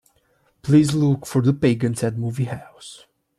Please look for The Pagans at movie house.